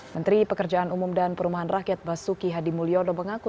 menteri pekerjaan umum dan perumahan rakyat basuki hadimulyo ndobengaku